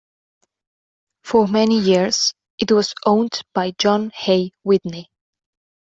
For many years it was owned by John Hay Whitney.